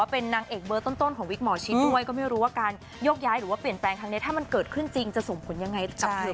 โปรดติดตามตอนต่อไป